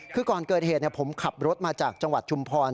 คือก่อนเกิดเหตุผมขับรถมาจากจังหวัดชุมพร